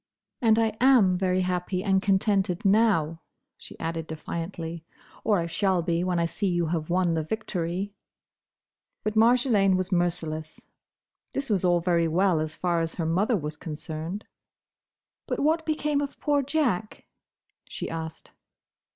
And I am very happy and contented now," she added defiantly,—"or I shall be, when I see you have won the victory!" But Marjolaine was merciless. This was all very well, as far as her mother was concerned. "But what became of poor Jack?" she asked.